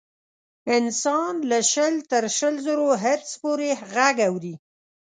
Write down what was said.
انسان له شل تر شل زرو هرتز پورې غږ اوري.